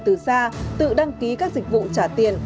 từ xa tự đăng ký các dịch vụ trả tiền